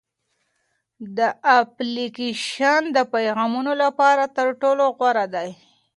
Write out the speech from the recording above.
دا اپلیکیشن د پیغامونو لپاره تر ټولو غوره دی.